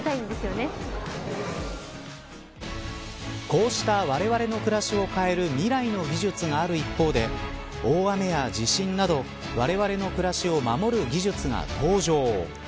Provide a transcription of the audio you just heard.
こうしたわれわれの暮らしを変える未来の技術がある一方で大雨や地震などわれわれの暮らしを守る技術が登場。